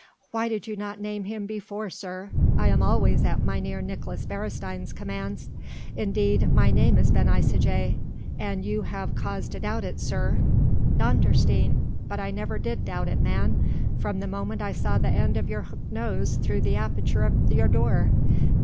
"Why did you not name him before, sir? I am always at Mynheer Nicolaes Beresteyn's commands. Indeed my name is Ben Isaje. An you have cause to doubt it, sir...." "Dondersteen! but I never did doubt it, man, from the moment I saw the end of your hooked nose through the aperture of your door.